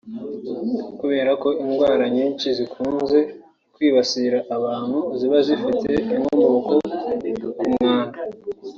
Kubera ko indwara nyinshi zikunze kwibasira abantu ziba zifite inkomoko ku mwanda